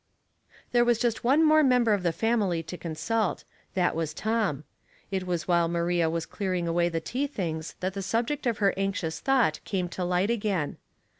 There was just one more member of the fami ly to consult. That was Tom. It was while Maria was clearing away the tea things that the subject of her anxious thought came to light again.